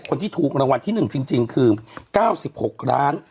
คนที่ถูกรางวัลที่๑จริงคือ๙๖ล้าน